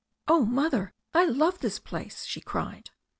"Oh, Mother, I love this place!" she cried.